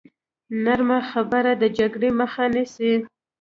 نرمه خبره د جګړې مخه نیسي.